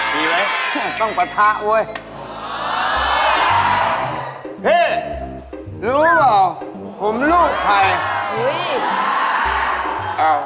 พี่รู้หรอผมรู้ใคร